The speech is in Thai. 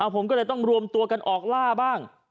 ผมก็เลยต้องรวมตัวกันออกล่าบ้าง